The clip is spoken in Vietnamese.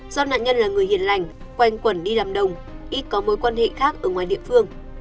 do nạn nhân là người hiền lành quanh quẩn đi làm đồng ít có mối quan hệ khác ở ngoài địa phương